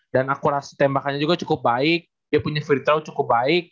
dan akurasi tembakannya juga cukup baik dia punya free throw cukup baik